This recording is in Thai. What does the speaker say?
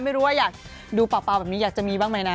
ไม่รู้ว่าอยากดูเปล่าแบบนี้อยากจะมีบ้างไหมนะ